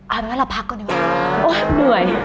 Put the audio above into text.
เอาละเราพักก่อนกัน